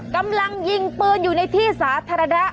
กำลังยิงปืนอยู่ในที่สาธารณะ